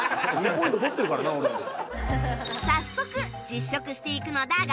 早速実食していくのだが